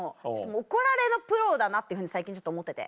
怒られのプロだなっていうふうに最近ちょっと思ってて。